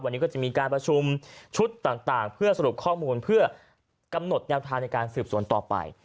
วันนี้ก็จะมีการประชุมชุดต่างเพื่อสรุปข้อมูลเพื่อกำหนดแนวทางในการสืบสวนต่อไป